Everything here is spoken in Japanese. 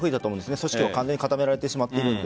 組織を固められてしまっているので。